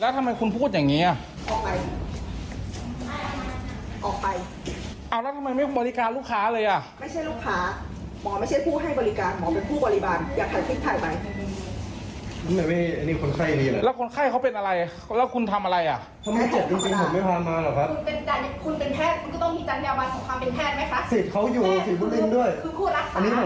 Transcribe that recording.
แค่ครูผู้รักษานี่คือคนไข้มาเพื่อรักษา